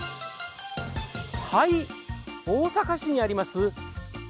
大阪市にあります